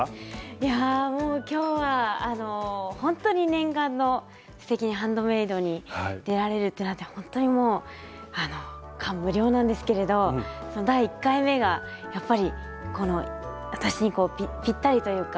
いやもう今日はあの本当に念願の「すてきにハンドメイド」に出られるってなってほんとにもうあの感無量なんですけれどその第１回目がやっぱりこの私にぴったりというか。